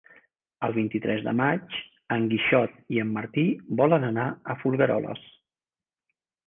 El vint-i-tres de maig en Quixot i en Martí volen anar a Folgueroles.